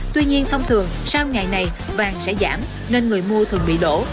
tuy nhiên thông thường sau ngày này vàng sẽ giảm nên người mua thường bị đổ